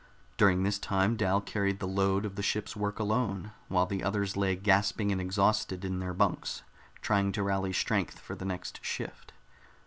During this time Dal carried the load of the ship's work alone, while the others lay gasping and exhausted in their bunks, trying to rally strength for the next shift.